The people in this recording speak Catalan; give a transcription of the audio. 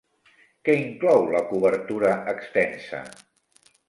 Què inclou la cobertura extensa?